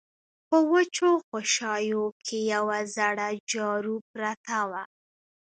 په وچو خوشايو کې يوه زړه جارو پرته وه.